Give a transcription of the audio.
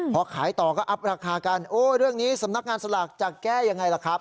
พอขายต่อก็อัพราคากันโอ้เรื่องนี้สำนักงานสลากจะแก้ยังไงล่ะครับ